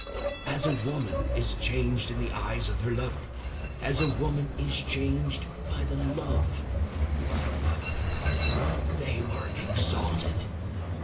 As a woman is changed in the eyes of her lover, as a woman is changed by the love of a lover. They were exalted.